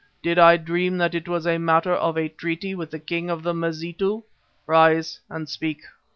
Did I dream that it was a matter of a treaty with the King of the Mazitu? Rise and speak."